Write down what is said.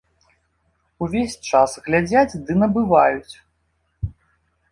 Увесь час глядзяць ды набываюць.